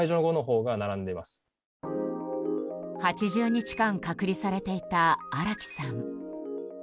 ８０日間隔離されていた荒木さん。